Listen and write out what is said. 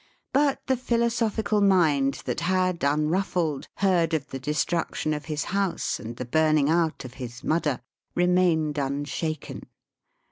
But the philosophical mind that had, un ruffled, heard of the destruction of his house and the burning out of his ^^mudder," re mained unshaken.